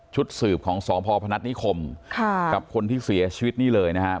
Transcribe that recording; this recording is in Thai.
สืบของสพพนัฐนิคมกับคนที่เสียชีวิตนี่เลยนะครับ